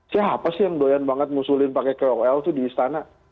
siapa sih yang doyan banget ngusulin pakai kol tuh di istana